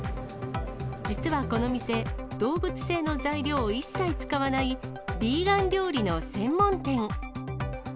実はこの店、動物性の材料を一切使わない、ヴィーガン料理の専門店。